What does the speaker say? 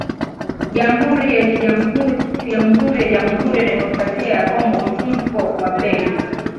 Jamhuri ya KiJamuhuri ya Jamuhuri ya Demokrasia ya Kongo Mfumuko wa Bei